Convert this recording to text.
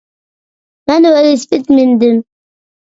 مەن ۋېلىسىپىت مىندىم.